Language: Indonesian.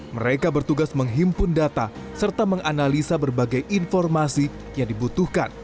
mereka bertugas menghimpun data serta menganalisa berbagai informasi yang dibutuhkan